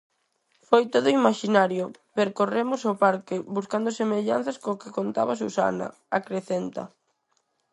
Foi todo imaxinario, percorremos o parque buscando semellanzas co que contaba Susana, acrecenta.